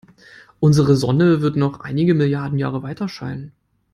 Unsere Sonne wird noch einige Milliarden Jahre weiterscheinen.